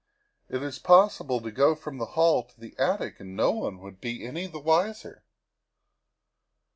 It is possible to go from the hall to the attic and no one would be any the wiser.